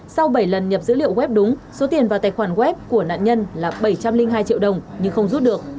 sau bảy lần nhập dữ liệu web đúng số tiền vào tài khoản web của nạn nhân là bảy trăm linh hai triệu đồng nhưng không rút được